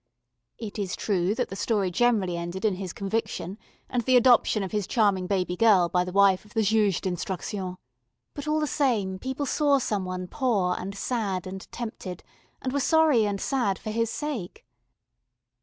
It is true that the story generally ended in his conviction and the adoption of his charming baby girl by the wife of the Juge d'Instruction, but all the same people saw some one poor and sad and tempted, and were sorry and sad for his sake.